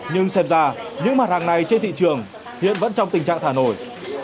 nhưng xem ra những mặt hàng này trên thị trường hiện vẫn trong tình trạng thả nổi